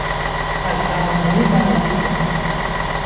از فرماندهی معزول شد.